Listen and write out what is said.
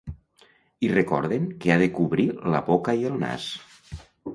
I recorden que ha de cobrir la boca i el nas.